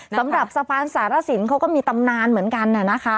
สำหรับสะพานสารสินเขาก็มีตำนานเหมือนกัน